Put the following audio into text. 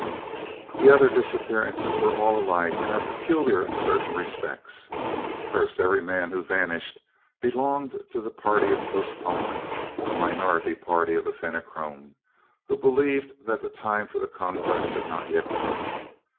The other disappearances are all alike and are peculiar in certain respects. First, every man who vanished belonged to the Party of Postponement the minority party of the Fenachrone, who believe that the time for the Conquest has not yet come.